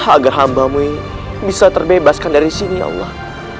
agar hambamu ini bisa terbebaskan dari sini ya allah